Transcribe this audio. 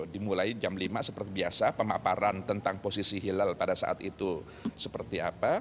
dimulai jam lima seperti biasa pemaparan tentang posisi hilal pada saat itu seperti apa